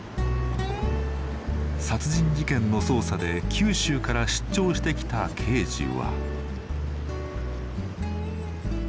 殺人事件の捜査で九州から出張してきた刑事は。